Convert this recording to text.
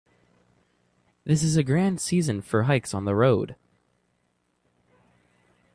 This is a grand season for hikes on the road.